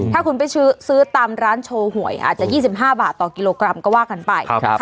ถ้าคุณไปซื้อตามร้านโชว์หวยอาจจะ๒๕บาทต่อกิโลกรัมก็ว่ากันไป